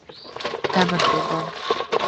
გამარჯობა